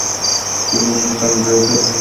কিন্তু মিস আঞ্জলিকে এতটা সুন্দর লাগে না।